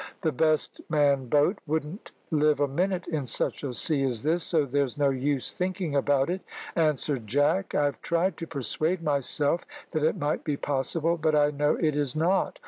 "The best manned boat wouldn't live a minute in such a sea as this, so there's no use thinking about it," answered Jack. "I have tried to persuade myself that it might be possible, but I know it is not.